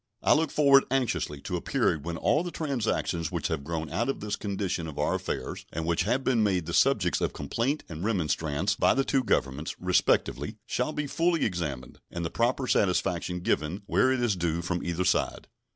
I look forward anxiously to a period when all the transactions which have grown out of this condition of our affairs, and which have been made the subjects of complaint and remonstrance by the two Governments, respectively, shall be fully examined, and the proper satisfaction given where it is due from either side.